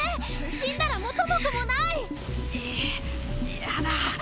死んだら元も子もない嫌だ